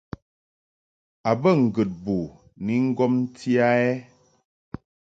A bə ŋgəd bo ni ŋgomti a ɛ ?